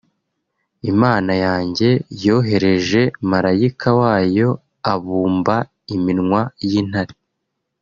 Imana yanjye yohereje malayika wayo abumba iminwa y’intare